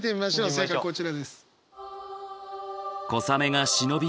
正解こちらです。